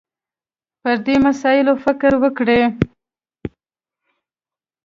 پر دې مسایلو فکر وکړي